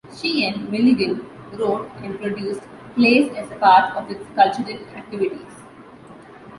She and Milligan wrote and produced plays as part of its cultural activities.